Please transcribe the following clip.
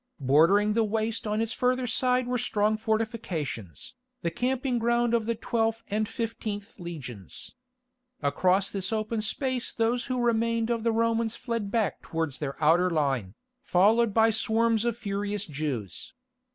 Bordering the waste on its further side were strong fortifications, the camping ground of the twelfth and fifteenth legions. Across this open space those who remained of the Romans fled back towards their outer line, followed by swarms of furious Jews.